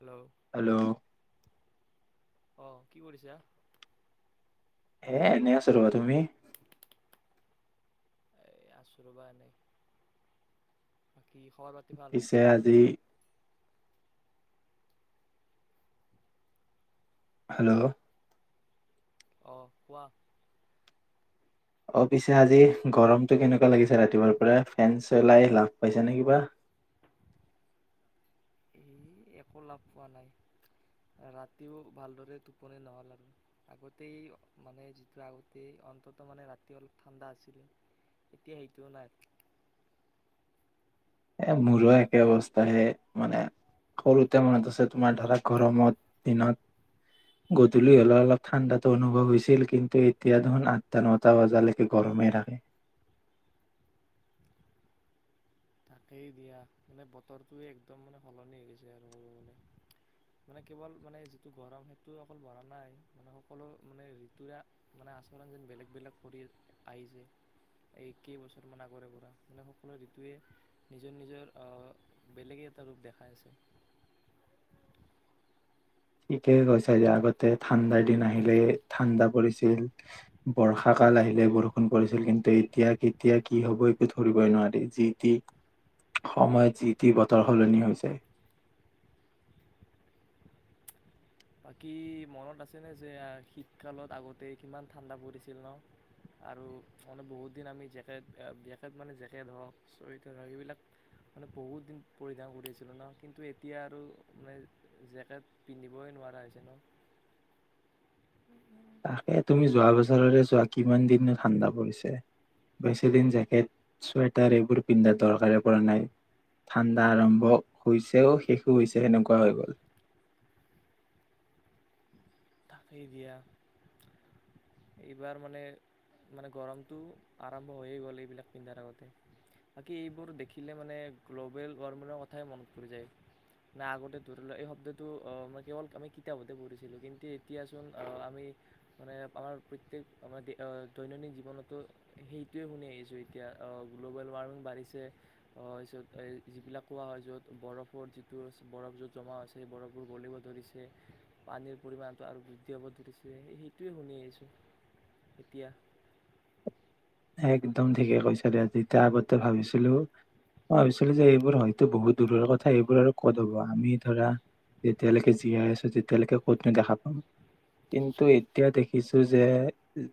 Hello hello আহ কি কৰিছা। এ এনে আছ ৰোৱা তুমি এ আচো ৰবা নাই বাকী খবৰ পাতি ভাল পিছে আজি হেল্ল' আহ কোৱা। অ পিছে আজি গৰমতটো কেনেকুৱা লাগিছে ৰাতিপুৱাৰ পৰা ফেন চলাই লাভ পাইছে নে কিবা এ একো লাভ পোৱা নাই ৰাতিও ভালদৰে টোপনি নহ'ল আৰু আগতেই মানে যিটো আগতেই অন্তত মানে ৰাতি অলপ ঠাণ্ডা আছিলে এতিয়া সেইটো নাই এ মূৰো একে অৱস্থাে মানে সৰুতে মনত আছে তোমাৰ ধৰা গৰমত দিনত গধূলি হলে অলপ ঠাণ্ডাটো অনুভৱ হৈছিল কিন্তু এতিয়া দেোন আঠটা নটা বজালৈকে গৰমেই থাকে তাকেই দিয়া মানে বতৰটোৱে একদম মানে সলনি হৈছে আৰু মানে মানে কেৱল মানে যিটো গৰম সেইটো অকল ভ়া নাই মানে সকলো মানে ঋতুৰে মানে আচৰণ যেন বেলেগ বেলেগ পৰি আহিছে এই কেইবছৰ মান আগৰে পৰা মানে সকলো ঋতয়ে নিজৰ নিজৰ বেলেগে এটা ৰূপ দেখাই আছে ঠিকে কৈছ যে আগতে ঠাণ্ডাৰ দিন আহিলে ঠাণ্ডা পৰিছিল বৰ্ষাকাল আহিলে বৰষুণ পৰিছিল কিন্তু এতিয়া কেতিয়া কি হব একো ধৰিবই নোৱাৰি যি টি সময়ত যি টি বতৰ সলনি হৈছে বাকী মনত আছেনে যে শীতকালত আগতেই কিমান ঠাণ্ডা পৰিছিল ন আৰু মানে বহুত দিন আমি জেকেট জেকেট মানে জেকেট হওক চুৱেটাৰ হওক সেইবিলাক মানে বহুত দিন পৰিধান কৰি আছিলোঁ ন কিন্তু এতিয়া আৰু মানে জেকেট পিন্ধিবই নোৱাৰো পাইছে নে তাকে তুমি যোৱা বছৰৰে যোৱা কিমান দিন ঠাণ্ডা পৰিছে বেছিদিন জেকেট চুৱেটাৰ এইবোৰ পিন্ধাৰ দৰকাৰে পৰা নাই ঠাণ্ডা আৰম্ভ হৈছেও শেষো হৈছে সেনেকুৱা হৈ গল তাকেই দিয়া এইবাৰ মানে মানে গৰমটো আৰম্ভ হৈয়ে গ'ল এইবিলাক পিন্ধাৰ আগতে বাকী এইবোৰ দেখিলে মানে গ্ল'বেল ৱাৰ্মিঙৰ কথাই মনত পৰি যায় না আগতে ধৰি লোৱাঁ এই শব্দটো মানে কেৱল আমি কিতাপতে পঢ়িছিলোঁ কিন্তু এতিয়াচোন আমি মানে আমাৰ প্ৰত্যেক আমাৰ দৈনন্দিন জীৱনতো সেইটোৱে শুনি আহিছোঁ এতিয়া গ্ল'বেল ৱাৰ্মিং বাঢ়িছে তাৰপিছত এই যিবিলাক কোৱা হয় য'ত বৰফৰ যিটো বৰফ য'ত জমা হৈছে সেই বৰফবোৰ গলিব ধৰিছে পানীৰ পৰিমাণ আৰু যেতিয়া সেইটোৱে শুনি আহিছোঁ এতিয়া একদম ঠিকে কৈছ দে তেতিয়া আগতে ভাবিছিলো মই ভাবিছিলো যে এইবোৰ হয়তো বহুত দূৰৰ কথা এইবোৰ আৰু ক'ত হব আমি ধৰা যেতিয়ালৈকে জীয়াই আছো তেতিয়ালৈকে কত নোদেখা পাম কিন্তু এতিয়া দেখিছো যে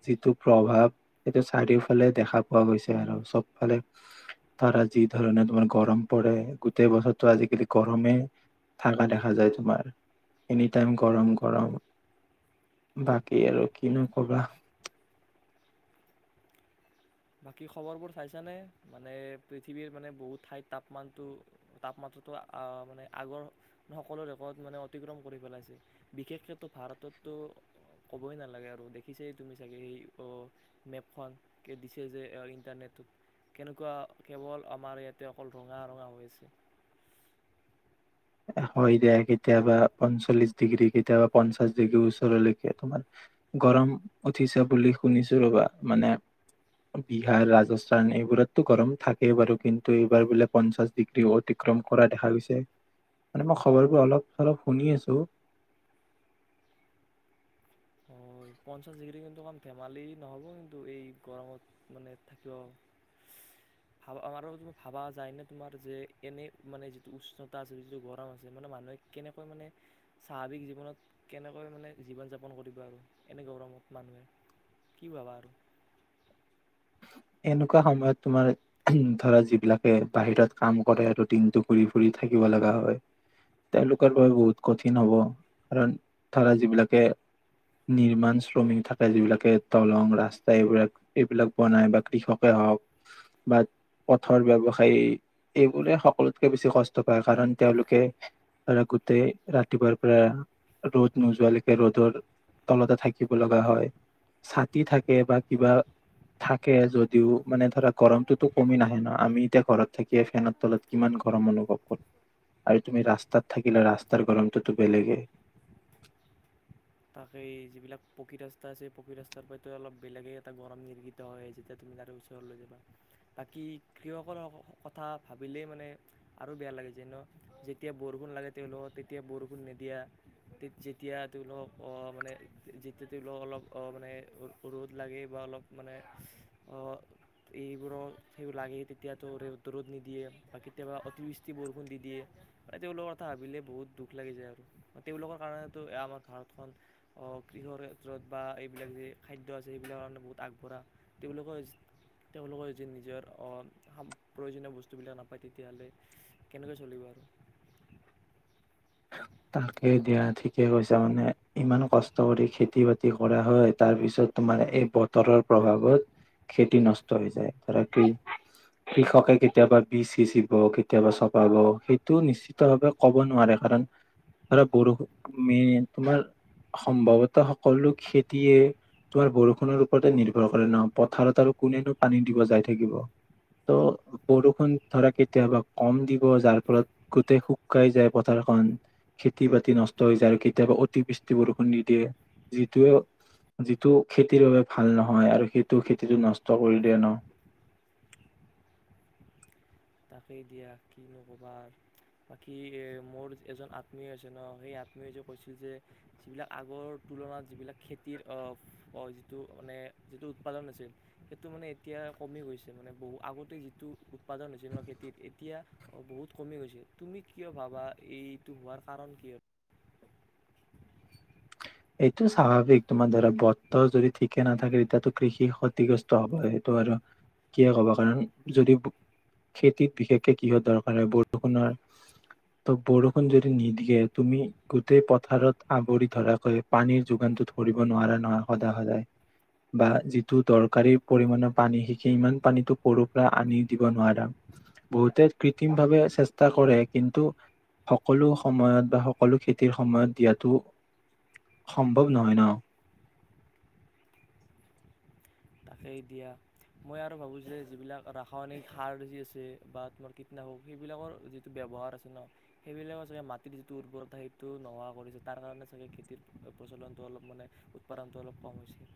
যিটো প্ৰভাৱ সেইটো চাৰিওফা ফালে দেখা পোৱা গৈছে আৰু চবফালে ধৰা যি ধৰণে তোমাৰ গৰম পৰে গোটেই বছৰতো আজিকালি গৰমে থাকা দেখা যায় তোমাৰ এনি টাইম গৰম গৰম বাকী আৰু কিনো কবা বাকী খবৰবোৰ চাইছানে মানে পৃথিৱীৰ মানে বহুত ঠাইত তাপমানটো তাপমাত্ৰাটো মানে আগৰ সকলো ৰেকৰ্ড মানে অতিক্ৰম কৰি পেলাইছে বিশেষকে ভাৰততো ক'বই নালাগে আৰু দেখিছে তুমি চাগে সেই মেপখনক দি যে ইন্টাৰনেটত কেনেকুৱা কেৱল আমাৰ ইয়াতে অকল ৰঙা ৰঙা হৈ আছে হয় দে কেতিয়াবা পঞ্চল্লিশ ডিগ্ৰী কেতিয়াবা পঞ্চাশ ডিগ্ৰী ওচৰলৈকে তোমাৰ গৰম উঠিছে বুলি শুনিছো ৰ'বা মানে বিহাৰ ৰাজস্থান এইবোৰতটো গৰম থাকেই বাৰু কিন্তু এইবাৰ বোলে পঞ্চাশ ডিগ্ৰী অতিক্ৰম কৰা দেখা গৈছে মানে মই খবৰবোৰ অলপ চলপ শুনি আছো। হয় পঞ্চাছ ডিগ্ৰী কিন্তু কম ধেমালি নহ'ব কিন্তু এই গৰমত মানে থাকিব ভাবা আমাৰ ত ভাবা যায়নে তোমাৰ যে এনেই মানে যিটো উষ্ণতা আছে যিটো গৰম আছে মানে মানুহে কেনেকৈ মানে স্বাভাৱিক জীৱনত কেনেকৈ মানে জীৱন যাপন কৰিব আৰু এনে গৌৰৱত মানুহে কি ভাবা আৰু এনেকুৱা সময়ত তোমাৰ ধৰা যিবিলাকে বাহিৰত কাম কৰে আৰু দিনটো ঘুৰি ফুৰি থাকিব লগা হয় তেওঁলোকৰ বাবে বহুত কঠিন হব কাৰণ ধৰা যিবিলাকে নিৰ্মাণ শ্ৰমিক থাকে যিবিলাকে দলং ৰাস্তা এইবিলাক এইবিলাক বনাই বা কৃষকে হওক বা পথৰ ব্যৱসায়ী এইবোৰে সকলোতকে বেছি কষ্ট পায় কাৰণ তেওঁলোকে ধ গোটেই ৰাতিপুৱাৰ পৰা ৰ'দ নোযোৱালৈকে ৰ'দৰ তলতে থাকিব লগা হয় ছাতি থাকে বা কিবা থাকে যত দিও মানে ধৰা গৰমটোতো কমি নাহে ন আমি এতিয়া ঘৰত থাকিয়ে ফেনৰ তলত কিমান গৰম অনুভৱ কৰো আৰু তুমি ৰাস্তাত থাকিলে ৰাস্তাৰ গৰমটোতো বেলেগেই তাকেই যিবিলাক পকী ৰাস্তা আছে পকী ৰাস্তাৰ পৰাতো অলপ বেলেগেই এটা গৰম নিৰ্গিত হয় যেতিয়া তুমি তাৰে ওচৰলৈ যাবা বাকী কৃষকৰ কথা ভাবিলেই মানে আৰু বেয়া লাগে যেন যেতিয়া বৰষুণ লাগে তেওঁলোকক তেতিয়া বৰষুণ নিদিয়া তে যেতিয়া তেওঁলোকক মানে যেতিয়া তেওঁলোকক অলপ মানে ৰ'দ লাগে বা অলপ মানে এইবোৰৰ সেই লাগে তেতিয়াতো' ৰ'দ নিদিয়ে বা কেতিয়াবা অতিবৃষ্টি বৰষুণ দি দিয়ে মানে তেওঁলোকৰ কথা ভাবিলে বহুত দুখ লাগি যায় আৰু তেওঁলোকৰ কাৰণেতো আমাৰ ভাৰত কৃষৰ ক্ষেত্ৰত বা এইবিলাক যে খাদ্য আছে সেইবিলাকৰ কাৰণে বহুত আগবঢ়া তেওঁলোকৰ তেওঁলোকৰ যদি নিজৰ প্ৰয়োজনীয় বস্তুবিলাক নাপায় তেতিয়াহ'লে কেনেকৈ চলিব আৰু তাকে দিয়া ঠিকে কৈছা মানে ইমান কষ্ট কৰি খেতি বাতি কৰা হয় তাৰ পিছত তোমাৰ এই বতৰৰ প্ৰভাৱত খেতি নষ্ট হৈ যায় ধৰা কি কৃষকে কেতিয়াবা বীজ সিঁচিব কেতিয়াবা চপাব সেইটো নিশ্চিত ভাৱে কব নোৱাৰে কাৰণ ধৰা বৰষুণ মেইন তোমাৰ সম্ভৱতঃ সকলো খেতিয়ে তোমাৰ বৰষুণৰ ওপৰতে নিৰ্ভৰ কৰে ন পথাৰত আৰু কোনেনো পানী দিব যাই থাকিব ত' বৰষুণ ধৰা কেতিয়াবা কম দিব যাৰ ফলত গোটেই শুকাই যায় পথাৰখন খেতি বাতি নষ্ট হৈ যায় আৰু কেতিয়াবা অতিবৃষ্টি বৰষুণ নিদিয়ে যিটোৱে যিটো খেতিৰ বাবে ভাল নহয় আৰু সেইটো খেতিটো নষ্ট কৰি দিয়ে ন তাকেই দিয়া কি নক'বা বাকী মোৰ এজন আত্মীয় আছে ন সেই আত্মীয় যে কৈছিল যে যিবিলাক আগৰ তুলনাত যিবিলাক খেতিৰ যিটো মানে যিটো উৎপাদন আছিল সেইটো মানে এতিয়া কমি গৈছে মানে বহু আগতেই যিটো উৎপাদন খেতিত এতিয়া বহুত কমি গৈছে তুমি কিয় ভাবা এইটো হোৱাৰ কাৰণ কি হয়। এইটো স্বাভাৱিক তোমাৰ ধৰা বতৰ যদি ঠিকে নাথাকে তেতিয়াতো কৃষি ক্ষতিগ্ৰস্ত হব সেইটো আৰু কি কব কাৰণ যদি খেতিত বিশেষকে কিহ দৰকাৰ হয় বৰষুণৰ ত বৰষুণ যদি নিদিয়ে তুমি গোটেই পথাৰত আৱৰি ধৰাকৈ পানীৰ যোগানটো ধৰিব নোৱাৰা নহয় সদায় সদায় বা যিটো দৰকাৰী পৰিমাণৰ পানী স ইমান পানীটো কৰো পৰা আনি দিব নোৱাৰা বহুতে কৃত্ৰিম ভাৱে চেষ্টা কৰে কিন্তু সকলো সময়ত বা সকলো খেতিৰ সময়ত দিয়াটো সম্ভৱ নহয় ন তাকেই দিয়া মই আৰু ভাবোঁ যে যিবিলাক ৰাসায়নিক সাৰ যি আছে বা তোমাৰ কীটনাশক সেইবিলাকৰ যিটো ব্যৱহাৰ আছে ন সেইবিলাকৰ চাগে মাটিৰ যিটো উৰ্বৰতা সেইটো নোহোৱা কৰিছে তাৰ কাৰণে চাগে খেতিৰ প্ৰচলনটো অলপ মানে উৎপাদনটো অলপ কম হৈছে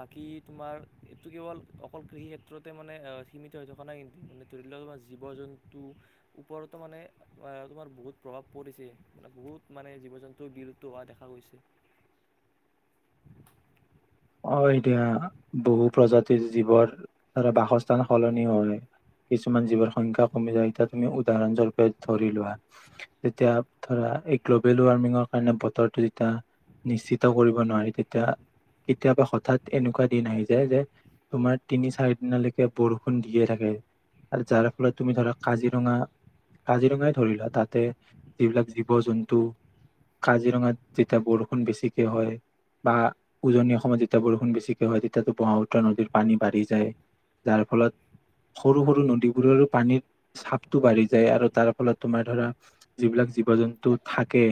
বাকী তোমাৰ এইটো কেৱল অকল কৃষি ক্ষেত্ৰতে মানে সীমিত হৈ থকা নাই কিন্তু মানে ধৰি লওক তোমাৰ জীৱ জন্তুৰ ওপৰতো মানে আহ তোমাৰ বহুত প্ৰভাৱ পৰিছে মান বহুত মানে জীৱ জন্তু বিলুপ্ত হোৱা দেখা গৈছে অ এতিয়া বহু প্ৰজাতিৰ জীৱৰ ধৰা বাসস্থান সলনি হয় কিছুমান জীৱৰ সংখ্যা কমি যায় এতিয়া তুমি উদাহৰণস্বৰূপে ধৰি লোৱা তেতিয়া ধৰা এই গ্ল'বেল ৱাৰ্মিঙৰ কাৰণে বতৰটো যেতিয়া নিশ্চিত কৰিব নোৱাৰি তেতিয়া কেতিয়াবা হঠাৎ এনেকুৱা দিন আহি যায় যে তোমাৰ তিনি চাৰি দিনলৈকে বৰষুণ দিয়ে থাকে আৰু যাৰ ফলত তুমি ধৰা কাজিৰঙা কাজিৰঙাই ধৰি লোৱা তাতে যিবিলাক জীৱ জন্তু কাজিৰঙাত যেতিয়া বৰষুণ বেছিকে হয় বা উজনি অসমত যেতিয়া বৰষুণ বেছিকৈ হয় তেতিয়াতো ব্ৰহ্মপুত্ৰ নদীৰ পানী বাঢ়ি যায় যাৰ ফলত সৰু সৰু নদীবোৰৰো পানীৰ চাপটো বাঢ়ি যায় আৰু তাৰ ফলত তোমাৰ ধৰা যিবিলাক জীৱ জন্তু থাকে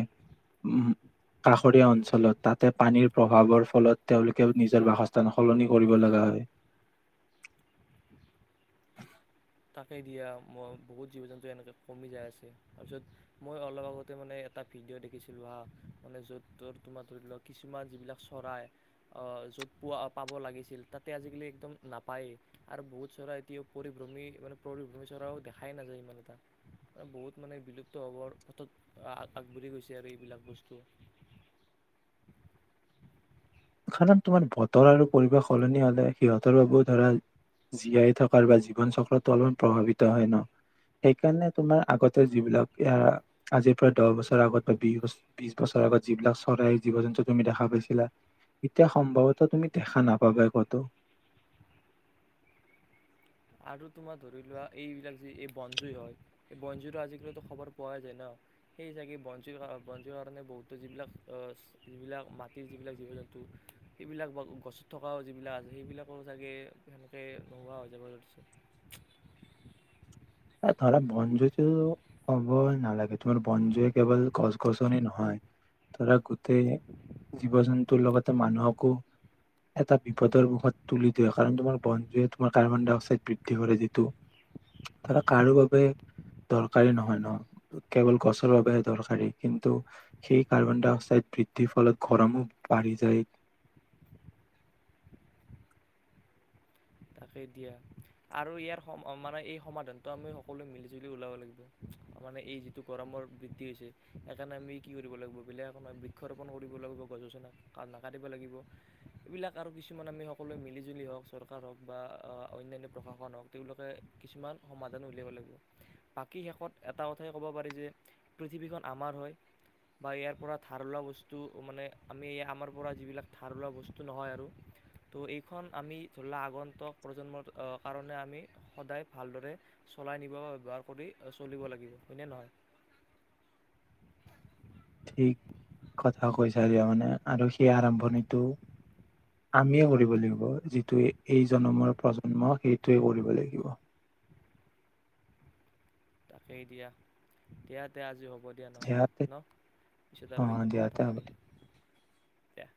কাষৰীয়া অঞ্চলত তাতে পানীৰ প্ৰভাৱৰ। ফলত তেওঁলোকেও নিজৰ বাসস্থান সলনি কৰিব লগা হয় সেইদিয়া মই বহুত জীৱ জন্তু এনেকৈ কমি যায় আছে তাৰপিছত মই অলপ আগতে মানে এটা ভিডিঅ' দেখিছিলোঁ হা মানে য'ত ত তোমাৰ ধৰি লওক কিছুমান যিবিলাক চৰাই য'ত পোৱা পাব লাগিছিল তাতে আজিকালি একদম নাপায়েই আৰু বহুত চৰাই এতিয়া পৰিভ্ৰমী এনে পৰ ভূমি চৰাও দেখাই নাযায় ইমান এটা মানে বহুত মানে বিলুপ্ত হ'ব পথত আগবাঢ়ি গৈছে আৰু এইবিলাক বস্তু। কাৰণ তোমাৰ বতৰ আৰু পৰিৱেশ সলনি হলে সিহঁতৰ বাবেও ধৰা জীয়াই থকাৰ বা জীৱন চক্ৰটো অলপমান প্ৰভাৱিত হয় ন সেইকাৰণে তোমাৰ আগতে যিবিলাক আজিৰ পৰা দহ বছৰ আগত বা বিছ বিশ বছৰৰ আগত যিবিলাক চৰাই জীৱ জন্তু তুমি দেখা পাইছিলা এতিয়া সম্ভৱতঃ তুমি দেখা নাপাবাই কতো আৰু তোমাৰ ধৰি লোৱা এইবিলাক যি এই বনজুই হয় এই বনজুইটো আজিকালিতো খবৰ পোৱাই যায় ন সেই চাগে বনজু বনজুই কাৰণে বহুতো যিবিলাক যিবিলাক মাটিৰ যিবিলাক জীৱ জন্তু সেইবিলাক গছত থকাও যিবিলাক আছে সেইবিলাকো চাগে সে নোহোৱা হয় জীৱ জন্তু ধৰা বনজুইটো ক'বই নালাগে তোমাৰ বনজুয়ে কেৱল গছ গছনি নহয় ধৰা গোটেই জীৱ জন্তুৰ লগতে মানুহকো এটা বিপদৰ মুখত তুলি দিয়ে কাৰণ তোমাৰ বনজুয়ে তোমাৰ কাৰ্বন ডাই অক্সাইড বৃদ্ধি কৰে যিটো ধৰা কাৰো বাবে দৰকাৰী নহয় ন কেৱল গছৰ বাবেহে দৰকাৰী কিন্তু সেই কাৰ্বন ডাই অক্সাইড বৃদ্ধিৰ ফলত গৰমো বাঢ়ি যায় তাকে দিয়া আৰু ইয়াৰ সম মানে এই সমাধানটো আমি সকলোৱে মিলিজুলি ওলাব লাগিব মানে এই যিটো গৰমৰ বৃদ্ধি হৈছে সেইকাৰণে আমি কি কৰিব লাগিব বিলাক বৃক্ষৰোপণ কৰিব লাগিব গছ গছনি নাকাটিব লাগিব এইবিলাক আৰু কিছুমান আমি সকলোৱে মিলিজুলি হওক চৰকাৰ হওক বা অন্যান্য প্ৰশাসন হওক তেওঁলোকে কিছুমান সমাধান উলিয়াব লাগিব বাকী শেষত এটা কথাই ক'ব পাৰি যে পৃথিৱীখন আমাৰ হয় বা ইয়াৰ পৰা ধাৰ ওলোৱা বস্তু মানে আমি আমাৰ পৰা যিবিলাক ধাৰ ওলোৱা বস্তু নহয় আৰু তো এইখন আমি ধলা আগন্ত প্ৰজন্মৰ কাৰণে আমি সদায় ভালদৰে চলাই নিব বা ব্যৱহাৰ কৰি চলিব লাগিব হয়নে নহয় ঠিক কথা কৈছা দিয়া মানে আৰু সেই আৰম্ভণিটো আমিয়ে কৰিব লাগিব যিটো এই জনমৰ প্ৰজন্ম সেইটোৱে কৰিব লাগিব তাকেই এতিয়া দিয়া তে আজি হ'ব হ'ব দিয়া নহ'লে ইয়াতে ন পিছত অ আৰু কেতিয়াবা দিয়া কথা তে হ'ব পাতিম এতিয়া।